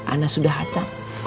ana sudah hata